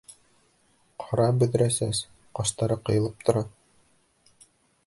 Ҡара бөҙрә сәс, ҡаштары ҡыйылып тора.